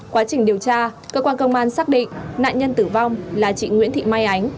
quá trình điều tra cơ quan công an xác định nạn nhân tử vong là chị nguyễn thị mai ánh